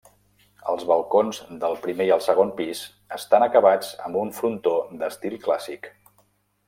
Els balcons del primer i el segon pis estan acabats amb un frontó d'estil clàssic.